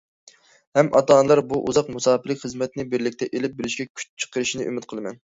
ھەم ئاتا ئانىلار بۇ ئۇزاق مۇساپىلىك خىزمەتنى بىرلىكتە ئىلىپ بېرىشكە كۈچ چىقىرىشىنى ئۈمىد قىلىمەن.